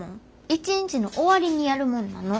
一日の終わりにやるもんなの。